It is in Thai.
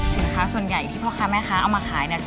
สินค้าส่วนใหญ่ที่พ่อค้าแม่ค้าเอามาขายเนี่ย